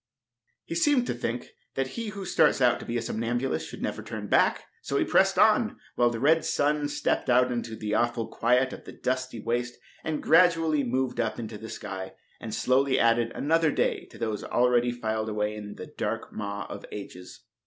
He seemed to think that he who starts out to be a somnambulist should never turn back. So he pressed on, while the red sun stepped out into the awful quiet of the dusty waste and gradually moved up into the sky, and slowly added another day to those already filed away in the dark maw of ages.